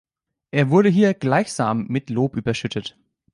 Er wurde hier gleichsam mit Lob überschüttet.